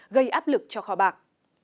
gây áp lực cho kho bạc